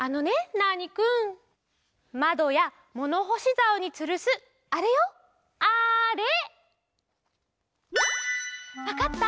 ナーニくんまどやものほしざおにつるすあれよあれ。わかった？